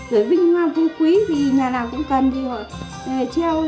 rồi vinh hoa quý thì nhà nào cũng cần thì họ treo